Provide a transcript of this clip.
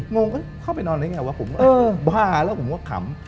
งงก็เข้าไปนอนได้ไงวะผมก็เออบ้าแล้วผมก็ขำ